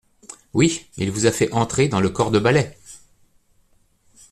Oui !… il vous a fait entrer dans le corps de balai.